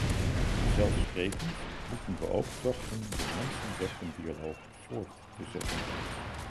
Vanzelfsprekend moeten we ook trachten de mensenrechtendialoog voort te zetten.